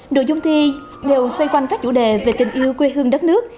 nội dung thi đều xoay quanh các chủ đề về tình yêu quê hương đất nước